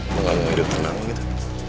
mau gak mau hidup tenang gitu